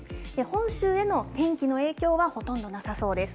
本州への天気の影響はほとんどなさそうです。